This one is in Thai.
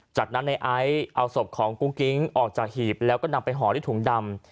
จากนั้นในไอซ์เอาศพของกุ้งกิ๊งออกจากหีบแล้วก็นำไปห่อด้วยถุงดำ